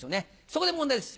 そこで問題です